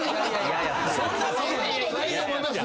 そんなことないと思いますよ。